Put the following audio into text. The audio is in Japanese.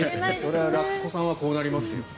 ラッコさんはそうなりますよ。